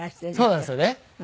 そうなんですよね。